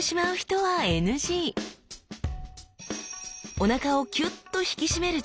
おなかをキュッと引き締める力